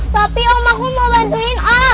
tapi om aku mau bantuin ah